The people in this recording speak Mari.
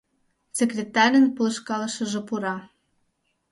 Секретарьын полышкалышыже пура.